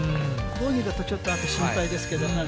ボギーだと、ちょっとあと心配ですけど。